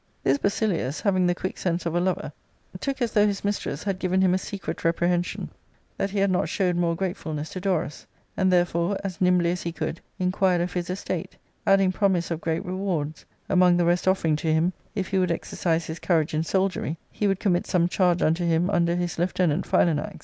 J 104 ARCADIA.^Book /. This Basilius, having the quick sense of a lover, took as though his mistress had given him a secret reprehension that he had not showed more gratefulness to Dorus, and therefore, as nimbly as he could, inquired of his estate, adding promise of great rewards, among the rest offering to him, if he would exercise his courage in soldiery, he would commit some charge unto him under his lieutenant Philanax.